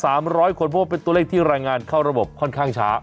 ร้อยคนเพราะว่าเป็นตัวเลขที่รายงานเข้าระบบค่อนข้างช้า